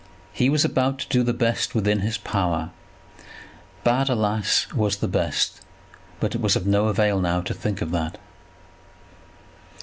He was about to do the best within his power. Bad, alas, was the best, but it was of no avail now to think of that.